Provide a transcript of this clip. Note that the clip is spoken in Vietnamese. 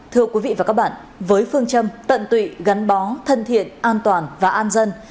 thưa quý vị và các bạn với phương châm tận tụy gắn bó thân thiện an toàn và an dân